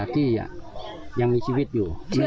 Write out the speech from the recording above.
ที่ยังมีชีวิตอยู่